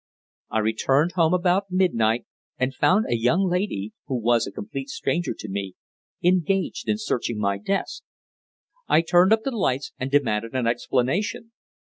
I returned home about midnight and found a young lady, who was a complete stranger to me, engaged in searching my desk. I turned up the lights and demanded an explanation.